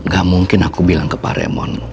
gak mungkin aku bilang ke pak raymond